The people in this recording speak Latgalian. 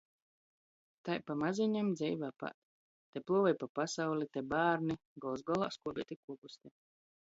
Tai pamazeņom dzeive apād. Te pluovoj pa pasauli, te bārni, gols golā - skuobeiti kuopusti.